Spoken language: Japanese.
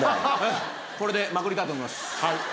これでまくりたいと思います。